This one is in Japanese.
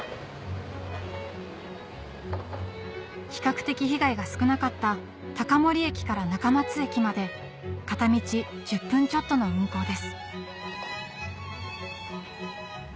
比較的被害が少なかった高森駅から中松駅まで片道１０分ちょっとの運行です